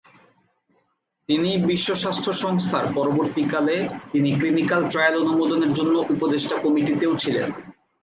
তিনি বিশ্ব স্বাস্থ্য সংস্থার পরবর্তীকালে তিনি ক্লিনিকাল ট্রায়াল অনুমোদনের জন্য উপদেষ্টা কমিটিতেও ছিলেন।